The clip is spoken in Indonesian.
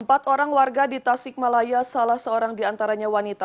empat orang warga di tasikmalaya salah seorang diantaranya wanita